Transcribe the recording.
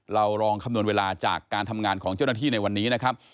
เราลองคำนวณเวลาจากการทำงานของเจ้าหน้าที่ในวันนี้นะครับ